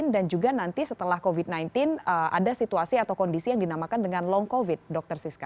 dan juga nanti setelah covid sembilan belas ada situasi atau kondisi yang dinamakan dengan long covid dokter siska